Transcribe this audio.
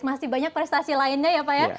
masih banyak prestasi lainnya ya pak ya